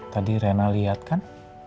tadi rena liat kan